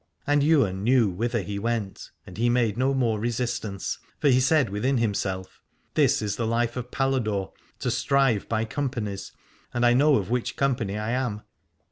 And Ywain knew whither he went, and he made no more resistance, for he said within himself: This is the life of Paladore, to strive by companies, and I know of which company I am.